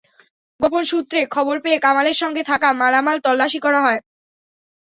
গোপন সূত্রে খবর পেয়ে কামালের সঙ্গে থাকা মালামাল তল্লাশি করা হয়।